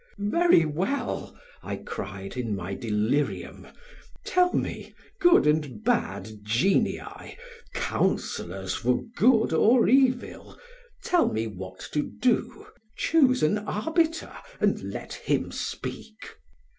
"Very well," I cried, in my delirium, "tell me, good and bad genii, counsellors for good or evil, tell me what to do! Choose an arbiter and let him speak."